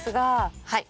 はい。